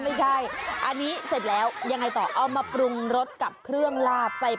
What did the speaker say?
ไม่ใช่ไอ้ใบเครื่องย่ำ